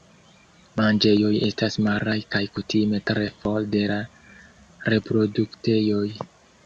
Manĝejoj estas maraj kaj kutime tre for de la reproduktejoj.